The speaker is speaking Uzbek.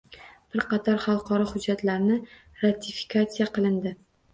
Bir qator xalqaro hujjatlarni ratifikatsiya qilindi